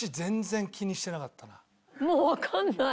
もうわかんない。